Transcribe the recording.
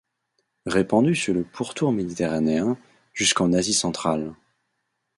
Répandue sur le pourtour méditerranéen, jusqu'en Asie centrale.